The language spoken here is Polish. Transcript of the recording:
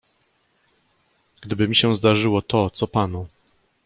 "Gdyby mi się zdarzyło to, co panu."